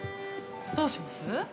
◆どうします？